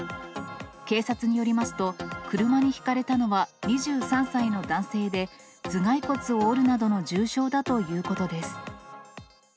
警察によりますと、車にひかれたのは２３歳の男性で、頭蓋骨を折るなどの重傷だということです。